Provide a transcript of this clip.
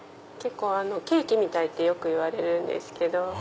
ケーキみたいってよく言われるんですけど。